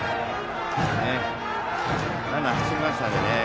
ランナーが走りましたので。